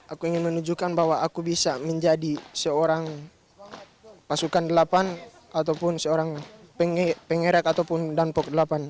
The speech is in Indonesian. aku ingin menunjukkan bahwa aku bisa menjadi seorang pasukan delapan ataupun seorang pengerek ataupun danpok delapan